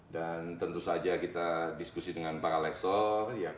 dan tentu saja kita diskusi dengan para leksor